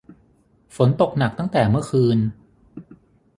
ฝนตกหนักตั้งแต่เมื่อคืน